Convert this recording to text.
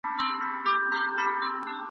جهاني به کله یاد سي په نغمو کي په غزلو ..